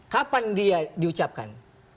kapan dia diucapkan